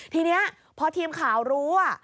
ทีนี้พอทีมข่าวรู้